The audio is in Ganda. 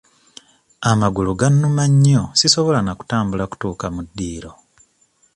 Amagulu gannuma nnyo sisobola na kutambula kutuuka mu ddiiro.